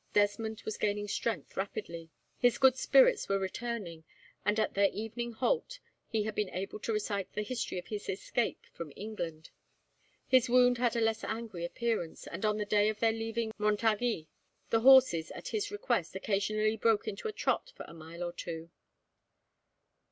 Desmond was gaining strength rapidly. His good spirits were returning, and at their evening halt, he had been able to recite the history of his escape from England. His wound had a less angry appearance, and on the day of their leaving Montargis the horses, at his request, occasionally broke into a trot for a mile or two.